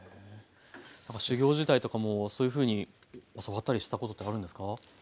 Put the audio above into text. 修業時代とかもそういうふうに教わったりしたことってあるんですか？